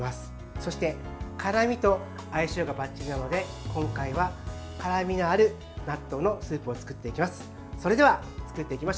そして辛みと相性がばっちりなので今回は、辛みのある納豆のスープを作っていきます。